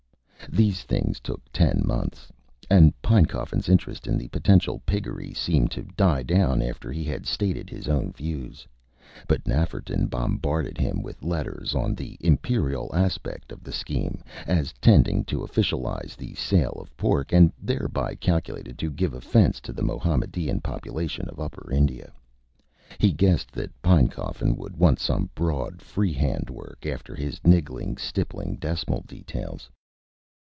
These things took ten months, and Pinecoffin's interest in the potential Piggery seemed to die down after he had stated his own views. But Nafferton bombarded him with letters on "the Imperial aspect of the scheme, as tending to officialize the sale of pork, and thereby calculated to give offence to the Mahomedan population of Upper India." He guessed that Pinecoffin would want some broad, free hand work after his niggling, stippling, decimal details.